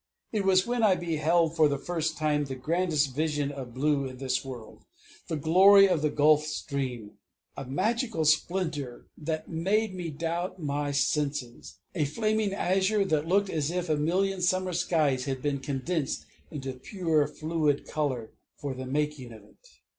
It was when I beheld for the first time the grandest vision of blue in this world, the glory of the Gulf Stream: a magical splendor that made me doubt my senses, a flaming azure that looked as if a million summer skies had been condensed into pure fluid color for the making of it.